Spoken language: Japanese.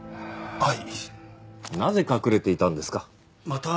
はい。